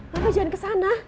mama jangan kesana